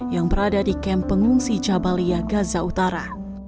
yang berada di kamp pengungsi jabalia gaza utara